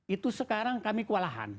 itu sekarang kami kewalahan